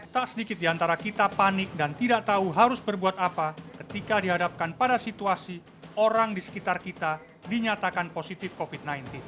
tak sedikit di antara kita panik dan tidak tahu harus berbuat apa ketika dihadapkan pada situasi orang di sekitar kita dinyatakan positif covid sembilan belas